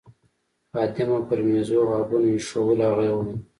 خادمه پر میزو غابونه ایښوول، هغه یې ومنل.